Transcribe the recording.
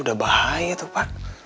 udah bahaya tuh pak